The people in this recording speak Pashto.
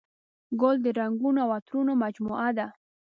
ګل د رنګونو او عطرونو مجموعه ده.